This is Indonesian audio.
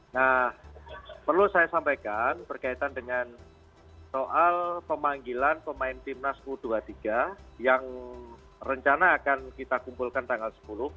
nah perlu saya sampaikan berkaitan dengan soal pemanggilan pemain timnas u dua puluh tiga yang rencana akan kita kumpulkan tanggal sepuluh